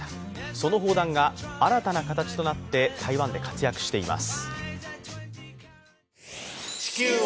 その砲弾が新たな形となって台湾で活躍しています。